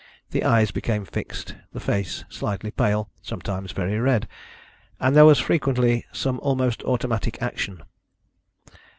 The eyes became fixed, the face slightly pale, sometimes very red, and there was frequently some almost automatic action.